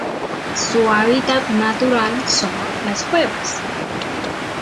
Su hábitat natural son: las cuevas